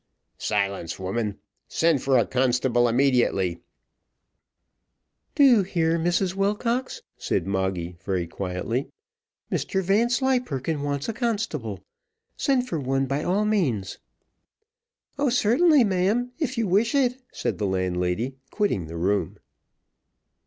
"Silence, woman; send for a constable immediately." "Do you hear, Mrs Wilcox?" said Moggy, very quietly, "Mr Vanslyperken wants a constable. Send for one by all means." "Oh! certainly, ma'am, if you wish it," said the landlady, quitting the room.